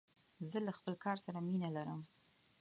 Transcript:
زه له خپل کار سره مینه لرم.